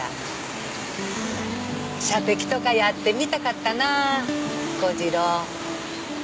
射的とかやってみたかったなあ彦次郎。